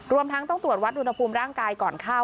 รวมทั้งต้องตรวจวัดอุณหภูมิร่างกายก่อนเข้า